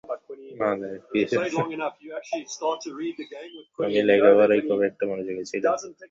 তিনি লেখাপড়ায় খুব একটা মনোযোগী ছিলেন না।